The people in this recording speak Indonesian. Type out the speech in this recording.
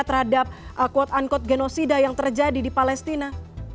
terhadap quote unquote genosida yang terjadi di palestina